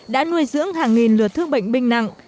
đã nuôi dưỡng hàng nghìn lượt thương binh bình nặng